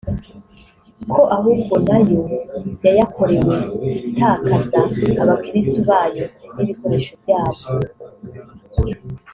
ko ahubwo nayo yayakorewe itakaza abakristu bayo n’ibikoreshjo byabo